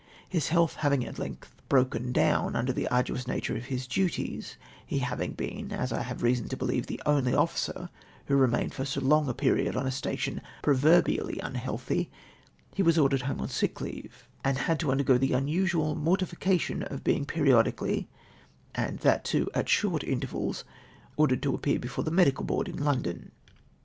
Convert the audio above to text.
His health having at length broken down mider the arduous nature of his duties — he having been, as I have reason to believe, the only officer Avho remained for so long a period on a station pro verbially unhealthy — he was ordered home on sick leave, and had to undergo the unusual mortification of being periodically, and that too at short intervals, ordered to appear before the Medical Board in London.